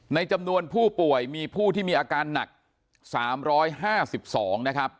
ในจำนวนผู้ป่วยมีผู้ที่มีอาการหนัก๓๕๒นะครับ